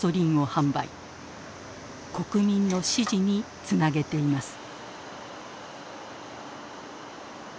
国民の支持につなげています。